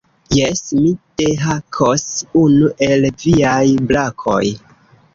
"Jes, mi dehakos unu el viaj brakoj."